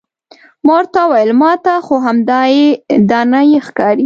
ما ورته وویل ما ته خو همدایې دانایي ښکاري.